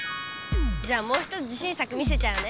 じゃあもうひとつ自しん作見せちゃうね。